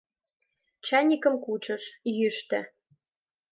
Чайникым кучыш — йӱштӧ.